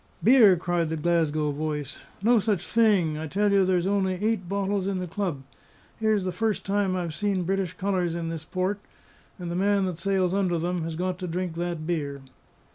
"Beer!" cried the Glasgow voice. "No such a thing; I tell you there's only eight bottles in the club! Here's the first time I've seen British colours in this port! and the man that sails under them has got to drink that beer."